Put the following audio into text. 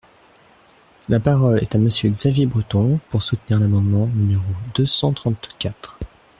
La parole est à Monsieur Xavier Breton, pour soutenir l’amendement numéro deux cent trente-quatre.